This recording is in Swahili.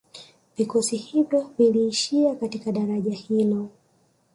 Vikosi hivyo viliishia katika daraja hilo